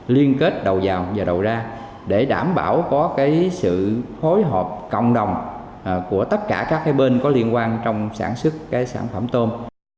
liên kết đầu vào và đầu ra để đảm bảo có sự phối hợp cộng đồng của tất cả các bên có liên quan trong sản xuất sản phẩm tôm